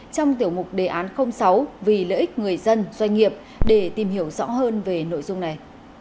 trong tiểu mục đề án sáu vì lợi ích người dân doanh nghiệp để tìm hiểu rõ hơn về nội dung này